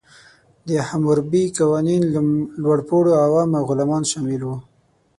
د حموربي قوانین لوړپوړو، عوام او غلامان شامل وو.